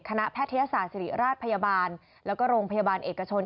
แพทยศาสตร์ศิริราชพยาบาลแล้วก็โรงพยาบาลเอกชน